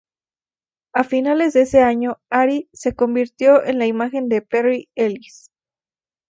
A finales de ese año Ari se convirtió en la imagen de Perry Ellis.